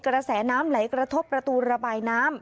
กระแสน้ำไหลกระทบประตูระบายน้ำ